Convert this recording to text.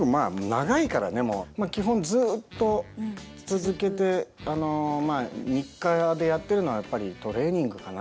まあ基本ずっと続けて日課でやってるのはやっぱりトレーニングかな。